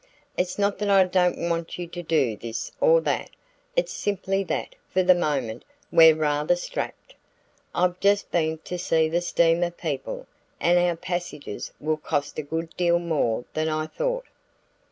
"It's not that I don't want you to do this or that; it's simply that, for the moment, we're rather strapped. I've just been to see the steamer people, and our passages will cost a good deal more than I thought."